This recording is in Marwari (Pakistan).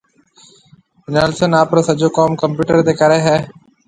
نيلسن آپرو سجو ڪوم ڪمپيوٽر تيَ ڪرَي ھيََََ